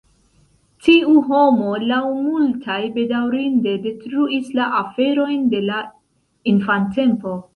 Tiu homo laŭ multaj bedaŭrinde detruis la aferojn de la infantempo.